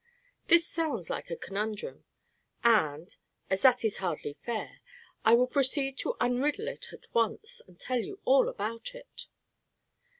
This sounds like a conundrum; and, as that is hardly fair, I will proceed to unriddle it at once and tell you all about it.